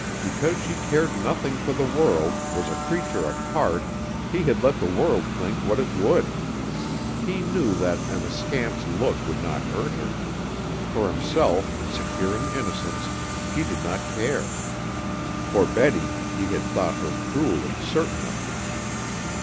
Because she cared nothing for the world, was a creature apart, he had let the world think what it would. He knew that an askance look would not hurt her; for himself, secure in innocence, he did not care; for Betty, he had thought her cruelly certain of him.